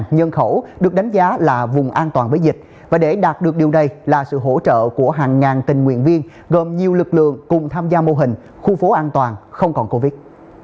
nhân khẩu được đánh giá là vùng an toàn với dịch và để đạt được điều này là sự hỗ trợ của hàng ngàn tình nguyện viên gồm nhiều lực lượng cùng tham gia mô hình khu phố an toàn không còn covid